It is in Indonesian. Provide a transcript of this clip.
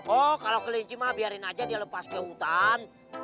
oh kalau kelinci mah biarin aja dia lepas ke hutan